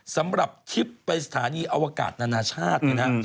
สำหรับทริปไปสถานีอวกาศนานาชาติเนี่ยนะฮะ